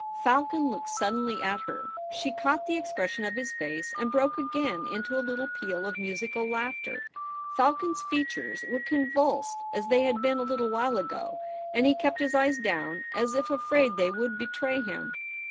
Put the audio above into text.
Falcon looked suddenly at her ; she caught VOL. I. 12 178 THE REBEL ROSE. the expression of his face, and broke again into a Httle peal of musical laughter. Falcon's features were convulsed as they had been a little while ago ; and he kept his eyes down as if afraid they would betray him.